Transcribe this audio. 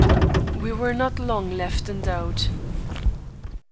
We were not long left in doubt.